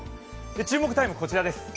注目タイムはこちらです。